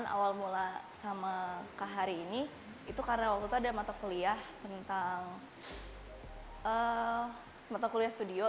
awal mula sama kak hari ini itu karena waktu itu ada mata kuliah tentang mata kuliah studio